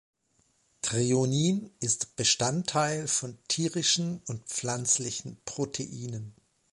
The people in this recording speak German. Threonin ist Bestandteil von tierischen und pflanzlichen Proteinen.